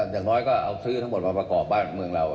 อย่างน้อยก็เอาซื้อทั้งหมดมาประกอบบ้านเมืองเรา